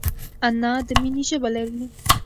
انا د مینې ژبه لري